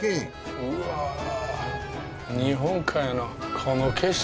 うわ日本海のこの景色。